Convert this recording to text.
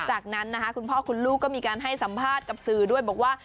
จากนั้นนะคะคุณพ่อคุณลูกก็มีการให้สัมภาษณ์กับสื่อด้วยบอกว่า